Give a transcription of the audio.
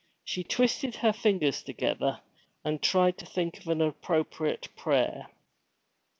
She twisted her fingers together, and tried to think of an appropriate prayer.